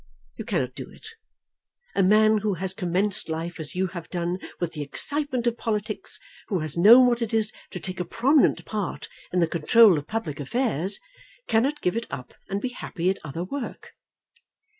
You cannot do it. A man who has commenced life as you have done with the excitement of politics, who has known what it is to take a prominent part in the control of public affairs, cannot give it up and be happy at other work.